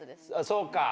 そうか。